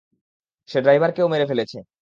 সে ড্রাইভারকেও মেরে ফেলেছে।